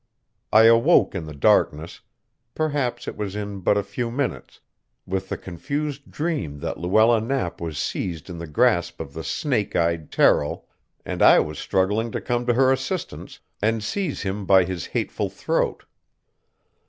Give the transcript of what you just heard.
I awoke in the darkness perhaps it was in but a few minutes with the confused dream that Luella Knapp was seized in the grasp of the snake eyed Terrill, and I was struggling to come to her assistance and seize him by his hateful throat.